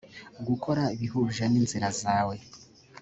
gukora ibihuje n inzira zawe